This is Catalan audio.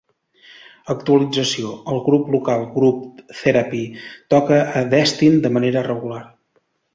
Actualització: el grup local Group Therapy toca a Destin de manera regular.